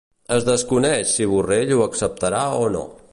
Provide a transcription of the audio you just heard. Es desconeix si Borrell ho acceptarà o no.